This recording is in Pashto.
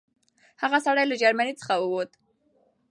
هغه سړی له جرمني څخه ووت.